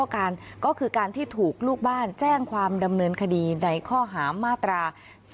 ก็คือการที่ถูกลูกบ้านแจ้งความดำเนินคดีในข้อหามาตรา๔๔